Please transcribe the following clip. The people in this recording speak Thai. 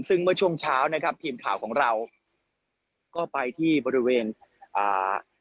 ซึ่งเมื่อช่วงเช้านะครับทีมข่าวของเราก็ไปที่บริเวณอ่า